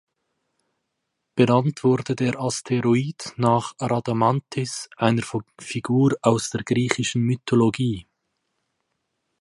Benannt wurde der Asteroid nach Rhadamanthys, einer Figur aus der griechischen Mythologie.